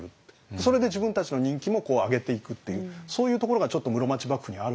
それで自分たちの人気も上げていくっていうそういうところがちょっと室町幕府にはあるんですよね。